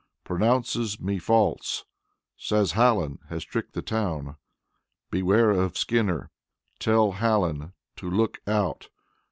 Pronounces me false; says Hallen has tricked the town. Beware of Skinner. Tell Hallen to look out.